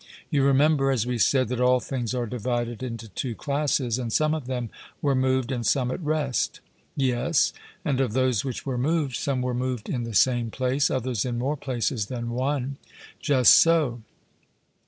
You remember, as we said, that all things are divided into two classes; and some of them were moved and some at rest. 'Yes.' And of those which were moved, some were moved in the same place, others in more places than one. 'Just so.'